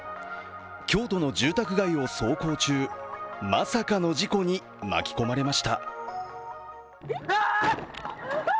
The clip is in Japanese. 京都の住宅街を走行中、まさかの事故に巻き込まれました。